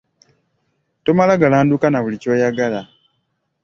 Tomala ‘galanduka’ na buli ky’oyagala.